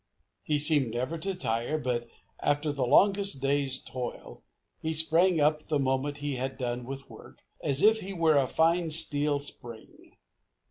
He seemed never to tire, but after the longest day's toil, he sprang up the moment he had done with work, as if he were a fine steel spring.